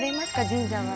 神社は。